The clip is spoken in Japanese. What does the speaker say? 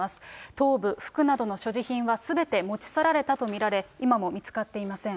頭部、服などの所持品はすべて持ち去られたと見られ、今も見つかっていません。